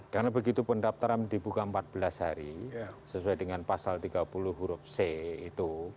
karena begitu pendaftaran dibuka empat belas hari sesuai dengan pasal tiga puluh huruf c itu